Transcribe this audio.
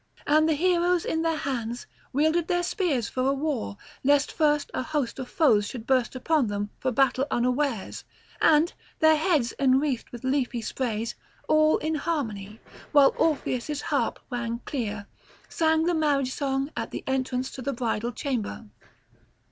And the heroes in their hands wielded their spears for war, lest first a host of foes should burst upon them for battle unawares, and, their heads enwreathed with leafy sprays, all in harmony, while Orpheus' harp rang clear, sang the marriage song at the entrance to the bridal chamber.